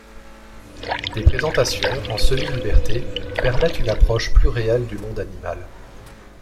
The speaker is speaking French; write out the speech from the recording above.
Des présentations en semi-liberté permettent une approche plus réelle du monde animal.